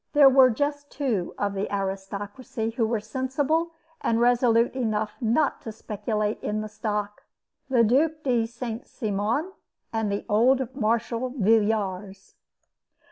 There were just two of the aristocracy who were sensible and resolute enough not to speculate in the stock the Duke de St. Simon and the old Marshal Villars.